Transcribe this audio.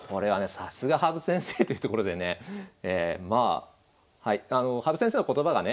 さすが羽生先生というところでね羽生先生の言葉がね